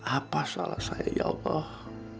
apa salah saya ya allah